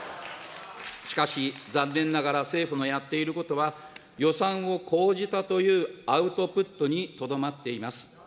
しかし、残念ながら、政府のやっていることは、予算を講じたというアウトプットにとどまっています。